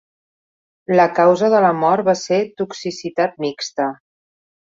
La causa de la mort va ser toxicitat mixta.